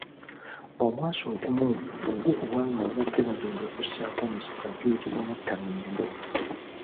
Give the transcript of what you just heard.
Omwasi ogumu ogukubwa nga babadde bagenda okussaako omusika guyitibwa muttangendo.